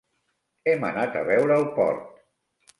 Hem anat a veure el port.